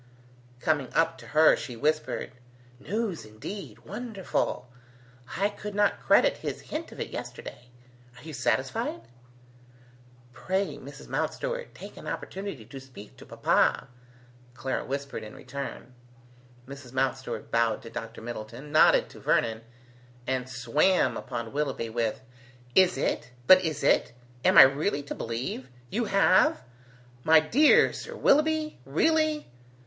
Coming up to her she whispered: "News, indeed! Wonderful! I could not credit his hint of it yesterday. Are you satisfied?" "Pray, Mrs. Mountstuart, take an opportunity to speak to papa," Clara whispered in return. Mrs. Mountstuart bowed to Dr. Middleton, nodded to Vernon, and swam upon Willoughby, with, "Is it? But is it? Am I really to believe? You have? My dear Sir Willoughby? Really?"